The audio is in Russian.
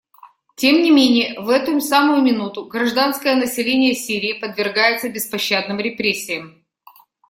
Тем не менее в эту самую минуту гражданское население Сирии подвергается беспощадным репрессиям.